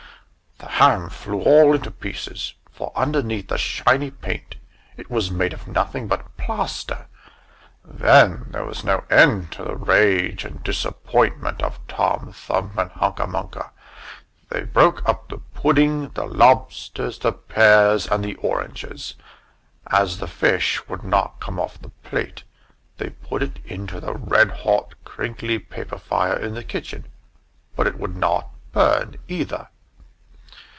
The ham flew all into pieces, for underneath the shiny paint it was made of nothing but plaster! Then there was no end to the rage and disappointment of Tom Thumb and Hunca Munca. They broke up the pudding, the lobsters, the pears and the oranges. As the fish would not come off the plate, they put it into the red hot crinkly paper fire in the kitchen; but it would not burn either.